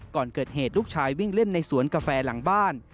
ก่อนเกิดเหตุลูกชายวิ่งเล่นในสวนกาแฟหลังบ้าน